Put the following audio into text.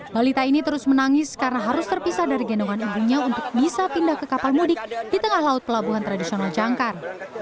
balita ini terus menangis karena harus terpisah dari gendongan ibunya untuk bisa pindah ke kapal mudik di tengah laut pelabuhan tradisional jangkar